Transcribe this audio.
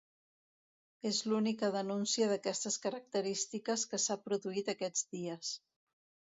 És l'única denúncia d'aquestes característiques que s'ha produït aquests dies